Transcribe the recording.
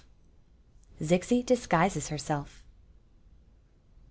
ZIXI DISGUISES HERSELF.